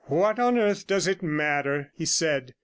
'What on earth does it matter?' he said.